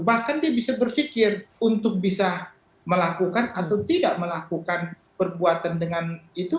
bahkan dia bisa berpikir untuk bisa melakukan atau tidak melakukan perbuatan dengan itu